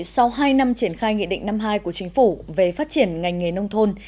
sau hai năm triển khai nghị định năm hai của chính phủ về phát triển ngành nghề nông thôn